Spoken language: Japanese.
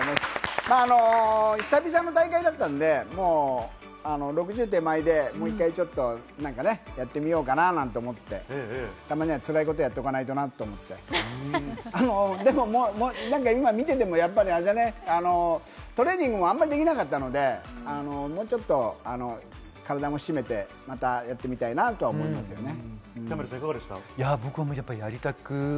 久々の大会だったんで、６０手前でもう１回ちょっとなんかね、やってみようかななんて思って、たまには辛いことやっておかないとなと思って、でも今、見ててもトレーニングもあんまりできなかったので、もうちょっと体も締めてまたやってみたいなと思いますよね。